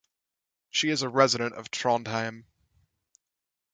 She is a resident of Trondheim.